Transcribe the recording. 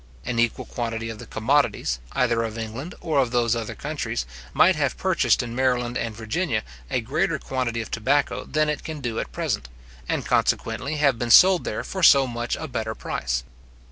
An equal quantity of the commodities, either of England or of those other countries, might have purchased in Maryland and Virginia a greater quantity of tobacco than it can do at present, and consequently have been sold there for so much a better price.